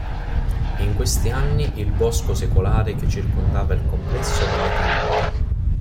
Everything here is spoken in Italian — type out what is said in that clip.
In questi anni il bosco secolare che circondava il complesso venne tagliato.